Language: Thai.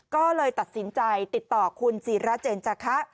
ก็เลยตัดสินใจติดต่อคุณศิราเจนจาคะ